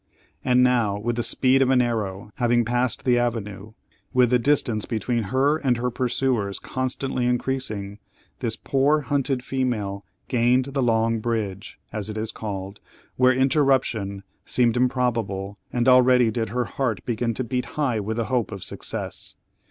And now with the speed of an arrow having passed the avenue with the distance between her and her pursuers constantly increasing, this poor hunted female gained the "Long Bridge," as it is called, where interruption seemed improbable, and already did her heart begin to beat high with the hope of success.